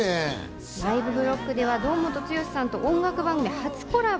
ライブブロックでは堂本剛さんと音楽番組初コラボ。